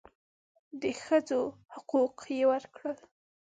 د ښځو حقوق یې ورکړل.